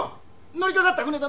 乗りかかった船だ。